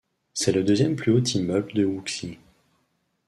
C'est le deuxième plus haut immeuble de Wuxi.